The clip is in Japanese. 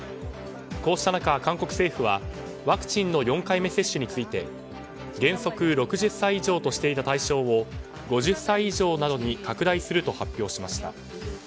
こうした中、韓国政府はワクチンの４回目接種について原則６０歳以上としていた対象を５０歳以上などに拡大すると発表しました。